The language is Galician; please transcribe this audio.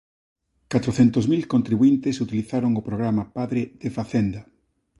Catro centos mil contribuíntes utilizaron o programa "Padre" de Facenda